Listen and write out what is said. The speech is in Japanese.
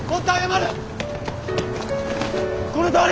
このとおり！